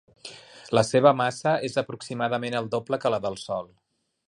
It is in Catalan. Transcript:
La seva massa és aproximadament el doble que la del Sol.